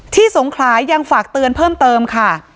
สงขลายังฝากเตือนเพิ่มเติมค่ะ